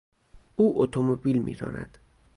او اتومبیل میراند.